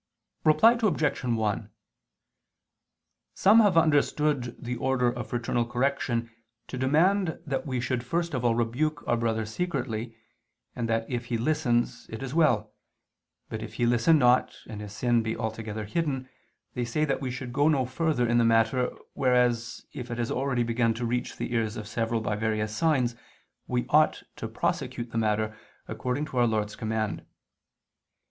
Reply Obj. 1: Some have understood the order of fraternal correction to demand that we should first of all rebuke our brother secretly, and that if he listens, it is well; but if he listen not, and his sin be altogether hidden, they say that we should go no further in the matter, whereas if it has already begun to reach the ears of several by various signs, we ought to prosecute the matter, according to Our Lord's command.